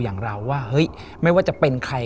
อย่างเราว่าเฮ้ยไม่ว่าจะเป็นใคร